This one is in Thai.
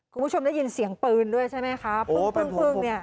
คุณผู้ชมได้ยินเสียงปืนด้วยใช่ไหมคะปึ้งเนี่ย